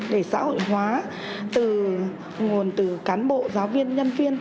để xã hội hóa từ nguồn từ cán bộ giáo viên nhân viên